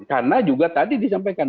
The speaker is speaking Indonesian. karena juga tadi disampaikan